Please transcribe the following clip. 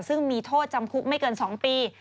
ซึ่งมีโทษจำคุกไม่เกิน๒ปี